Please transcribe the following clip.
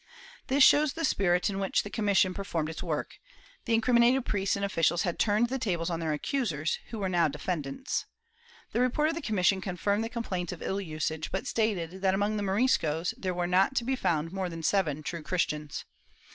* This shows the spirit in which the commission per formed its work; the incriminated priests and officials had turned the tables on their accusers, who were now defendants. The report of the commission confirmed the complaints of ill usage, but stated that among the Moriscos there were not to be found more than seven true Christians.